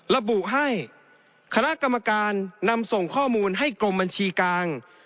ระบุให้คณะกรรมการนำส่งข้อมูลให้กรมบัญชีกลาง